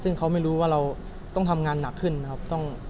ซึ่งเขาไม่รู้ว่าเราต้องทำงานหนักขึ้นนะครับ